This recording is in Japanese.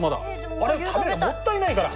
あれ食べないともったいないから。